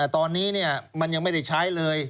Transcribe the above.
ตอนนี้มันยังไม่ได้ใช้เลย